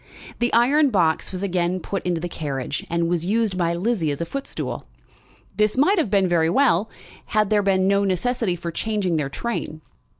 The iron box was again put into the carriage, and was used by Lizzie as a footstool. This might have been very well, had there been no necessity for changing their train.